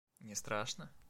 Не страшно?